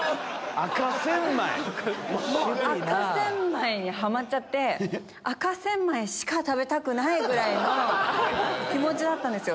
赤センマイにハマっちゃって赤センマイしか食べたくない！ぐらいの気持ちだったんですよ。